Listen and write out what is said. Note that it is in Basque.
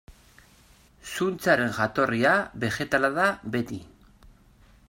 Zuntzaren jatorria begetala da beti.